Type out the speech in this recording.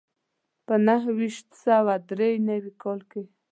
په نهه ویشت سوه دري نوي کال کې.